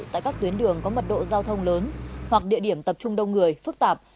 tại các tuyến đường có mật độ giao thông lớn hoặc địa điểm tập trung đông người phức tạp